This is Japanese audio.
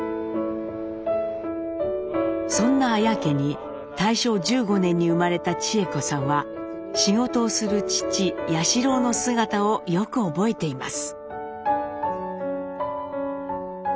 そんな綾家に大正１５年に生まれた智枝子さんは仕事をする父彌四郎の姿をよく覚えています。